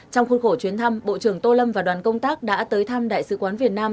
trong khuôn khổ chuyến thăm bộ trưởng tô lâm và đoàn công tác đã tới thăm đại sứ quán việt nam